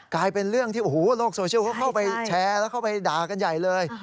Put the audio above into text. กลายเป็นเรื่องที่โอ้โหโลกโซเชียลเขาเข้าไปแชร์แล้วเข้าไปด่ากันใหญ่เลย